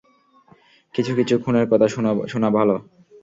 কিছু কিছু খুনের কথা শোনা ভাল।